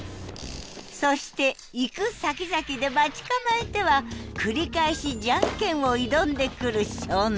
そして行くさきざきで待ち構えては繰り返し「ジャンケン」を挑んでくる少年。